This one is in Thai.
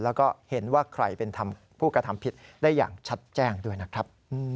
แล้วก็เห็นว่าใครเป็นผู้กระทำผิดได้อย่างชัดแจ้งด้วยนะครับ